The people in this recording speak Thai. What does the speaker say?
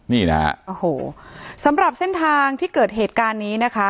นี่นะฮะโอ้โหสำหรับเส้นทางที่เกิดเหตุการณ์นี้นะคะ